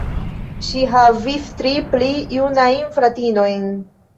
Ŝi havis tri pli junajn fratinojn.